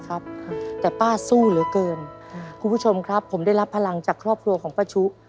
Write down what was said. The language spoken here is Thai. คุณผู้ชมครับผมได้รับพลังจากครอบครัวของป้าชุ